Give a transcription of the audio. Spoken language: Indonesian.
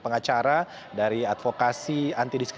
pengacara dari advokasi